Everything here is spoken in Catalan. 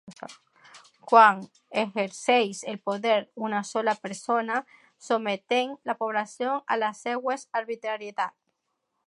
Quan exerceix el poder una sola persona, sotmetent la població a les seues arbitrarietats.